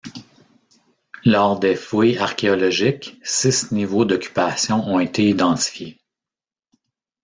Lors des fouilles archéologiques, six niveaux d'occupation ont été identifiés.